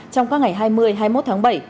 trong các ngày hai mươi hai mươi một tháng bảy